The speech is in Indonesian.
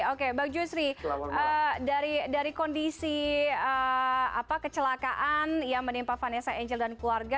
oke bang jusri dari kondisi kecelakaan yang menimpa vanessa angel dan keluarga